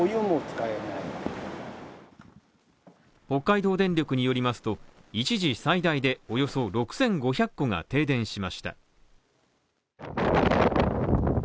北海道電力によりますと、一時最大でおよそ６５００戸が停電しました。